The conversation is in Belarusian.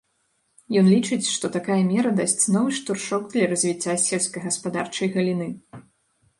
Ён лічыць, што такая мера дасць новы штуршок для развіцця сельскагаспадарчай галіны.